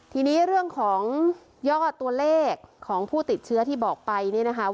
ทีนี้เรื่องของยอดตัวเลขของผู้ติดเชื้อที่บอกไปเนี่ยนะคะ